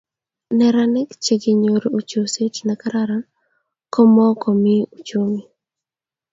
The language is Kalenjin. nerarajik che kinyoru uchusit ne kararan ko mo komii uchumi